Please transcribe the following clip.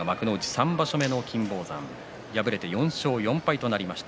３場所目の金峰山敗れて４勝４敗となりました。